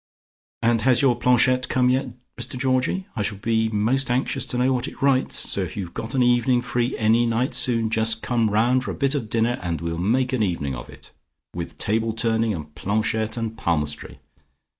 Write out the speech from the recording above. And has your planchette come yet, Mr Georgie? I shall be most anxious to know what it writes, so if you've got an evening free any night soon just come round for a bit of dinner, and we'll make an evening of it, with table turning and planchette and palmistry.